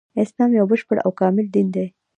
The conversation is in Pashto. اسلام يو بشپړ او کامل دين دی